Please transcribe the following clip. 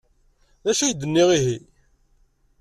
D acu ay d-nniɣ, ihi?